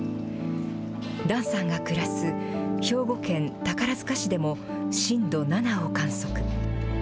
檀さんが暮らす兵庫県宝塚市でも、震度７を観測。